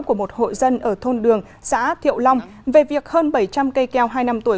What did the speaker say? của một hộ dân ở thôn đường xã thiệu long về việc hơn bảy trăm linh cây keo hai năm tuổi